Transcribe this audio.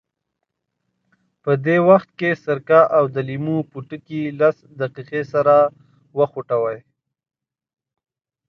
په دې وخت کې سرکه او د لیمو پوټکي لس دقیقې سره وخوټوئ.